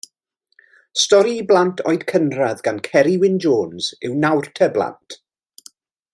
Stori i blant oed cynradd gan Ceri Wyn Jones yw Nawr Te, Blant.